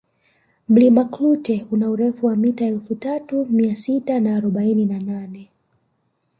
mlima klute una urefu wa mita elfu tatu Mia sita na arobaini na nane